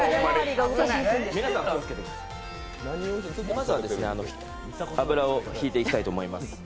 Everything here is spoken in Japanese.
まずは油を引いていきたいと思います。